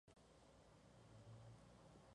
Fue el primer alcalde aymara de la ciudad de Tacna.